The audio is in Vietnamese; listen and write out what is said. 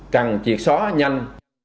cần triệt xóa nhanh